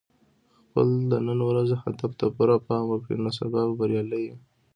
خپل د نن ورځې هدف ته پوره پام وکړه، نو سبا به بریالی یې.